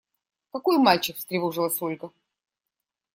– Какой мальчик? – встревожилась Ольга.